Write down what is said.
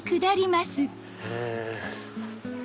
へぇ。